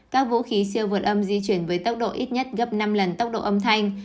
các vũ khí siêu vượt âm di chuyển với tốc độ ít nhất gấp năm lần tốc độ âm thanh